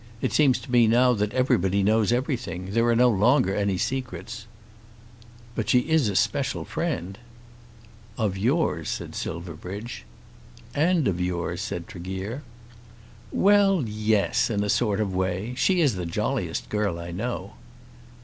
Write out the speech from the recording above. It seems to me now that everybody knows everything. There are no longer any secrets." "But she is a special friend." "Of yours," said Silverbridge. "And of yours," said Tregear. "Well, yes; in a sort of way. She is the jolliest girl I know."